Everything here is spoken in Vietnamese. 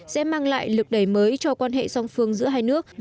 sẽ mang lại lực đẩy mới cho quan hệ song phương giữa hai nước